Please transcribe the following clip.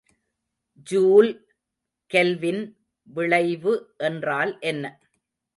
Joule Kelvin விளைவு என்றால் என்ன?